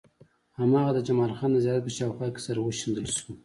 هماغه د جمال خان د زيارت په شاوخوا کې سره وشيندل شو.